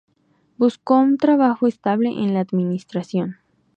Buscó un trabajo estable en la administración.